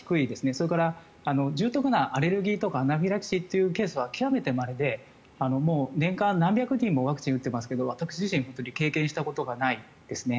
それから、重篤なアレルギーとかアナフィラキシーというのは極めてまれで、年間何百人もワクチンを打っていますが私自身経験したことがないですね。